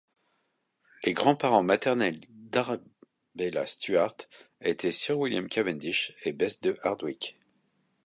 Les grands-parents maternels d'Arbella Stuart étaient Sir William Cavendish et Bess de Hardwick.